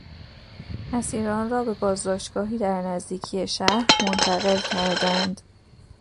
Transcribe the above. اسیران را به بازداشتگاهی در نزدیکی شهر منتقل کردند.